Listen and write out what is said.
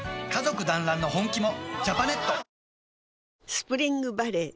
スプリングバレー